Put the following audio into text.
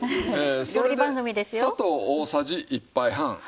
それで砂糖大さじ１杯半。